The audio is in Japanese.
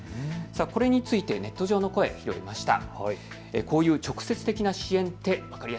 これについてネット上の声を拾いました。